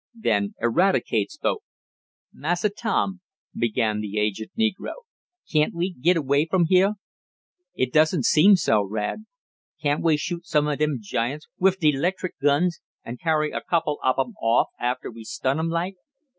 Then Eradicate spoke. "Massa Tom," began the aged negro, "can't we git away from heah?" "It doesn't seem so, Rad." "Can't we shoot some of dem giants wif de 'lectric guns, an' carry a couple ob 'em off after we stun 'em like?"